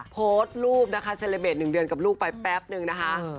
โพสต์รูปนะคะเซลเบส๑เดือนกับลูกไปแป๊บนึงนะคะ